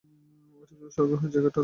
এটা যদি স্বর্গ হয়, জায়গাটা তেমন খারাপ না!